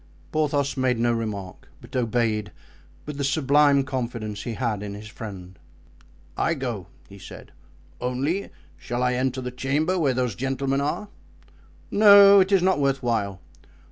Porthos made no remark, but obeyed, with the sublime confidence he had in his friend. "I go," he said, "only, shall I enter the chamber where those gentlemen are?" "No, it is not worth while."